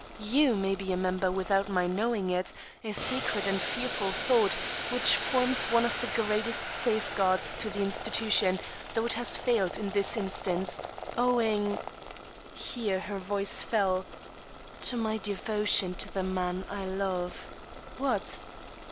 You may be a member without my knowing it a secret and fearful thought, which forms one of the greatest safeguards to the institution, though it has failed in this instance, owing" here her voice fell "to my devotion to the man I love. What?"